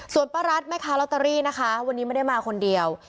ส่วนป้ารัฐแม่ค้าลอตเตอรี่นะคะวันนี้ไม่ได้มาคนเดียว